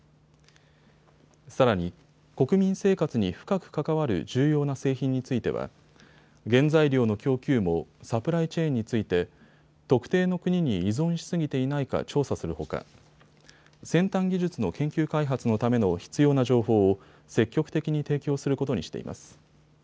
さらに国民生活に深く関わる重要な製品については原材料の供給網・サプライチェーンについて特定の国に依存しすぎていないか調査するほか先端技術の研究開発のための必要な情報を積極的に提供することにしています。